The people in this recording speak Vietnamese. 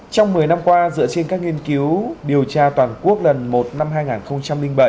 trong một mươi năm qua dựa trên các nghiên cứu điều tra toàn quốc lần một năm hai nghìn bảy